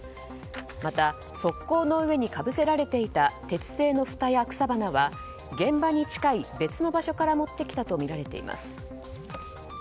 また側溝の上にかぶせられていた鉄製のふたや草花は、現場に近い別の場所から持ってきたとみられています。